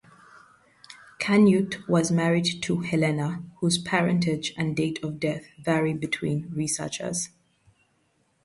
Canute was married to Helena, whose parentage and date of death vary between researchers.